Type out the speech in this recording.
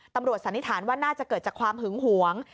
สันนิษฐานว่าน่าจะเกิดจากความหึงหวง